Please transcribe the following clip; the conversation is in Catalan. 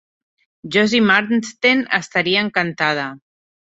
Josie Marsden estaria encantada.